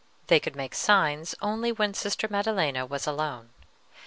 They could make signs only when Sister Maddelena was alone.